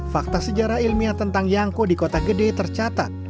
fakta sejarah ilmiah tentang yangko di kota gede tercatat